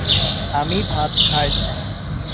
আমি ভাত খাই